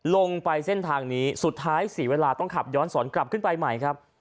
ลงไปเส้นทางนี้สุดท้ายเสียเวลาต้องขับย้อนสอนกลับขึ้นไปใหม่ครับ